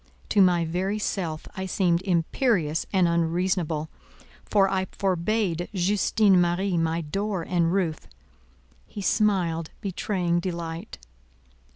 To my very self I seemed imperious and unreasonable, for I forbade Justine Marie my door and roof; he smiled, betraying delight.